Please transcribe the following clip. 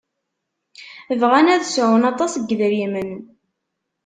Bɣan ad sɛun aṭas n yedrimen.